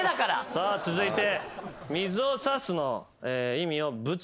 さあ続いて。